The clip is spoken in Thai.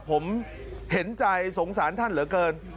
ผมเห็นใจสงสารท่านเหลือเกิน